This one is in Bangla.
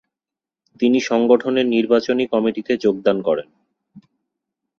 তিনি সংগঠনের নির্বাচনী কমিটিতে যোগদান করেন।